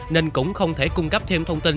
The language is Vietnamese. nên cũng không thể cung cấp thêm thông tin